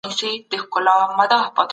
ټاکني ولي اړینې دي؟